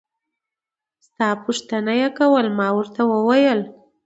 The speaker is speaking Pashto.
ستا پوښتنه يې کوله ما ورته وويل.